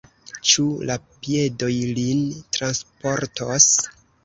Ĉu la piedoj lin transportos?